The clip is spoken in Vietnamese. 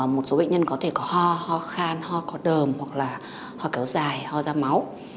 một số bệnh nhân có thể có ho khan ho có đờm hoặc là ho kéo dài ho ra máu